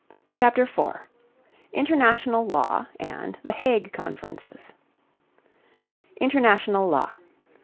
CHAPTER IV INTERNATIONAL LAW AND THE HAGUE CONFERENCES INTERNATIONAL LAW.